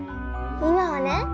今はね